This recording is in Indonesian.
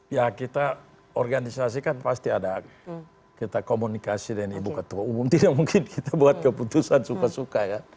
ya kita organisasi kan pasti ada kita komunikasi dengan ibu ketua umum tidak mungkin kita buat keputusan suka suka ya